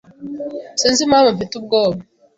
Sinzi impamvu mfite ubwoba.